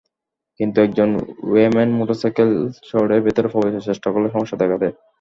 কিন্তু একজন ওয়েম্যান মোটরসাইকেলে চড়ে ভেতরে প্রবেশের চেষ্টা করলে সমস্যা দেখা দেয়।